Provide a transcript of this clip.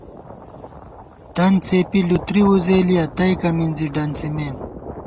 دن څېپی لُوتری وزېلِیہ تئیکہ مِنزی ڈنڅِمېم